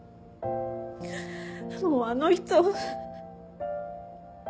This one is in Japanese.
もうあの人。